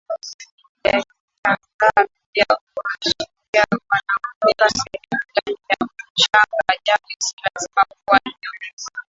ya Kichagga pia huashiria wanatoka sehemu gani ya Uchaga japo si lazima kuwa hivyo